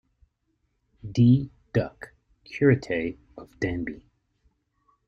D. Duck, Curate of Danby.